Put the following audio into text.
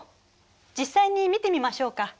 実際に見てみましょうか。